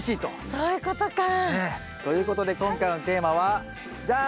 そういうことか！ということで今回のテーマはじゃん！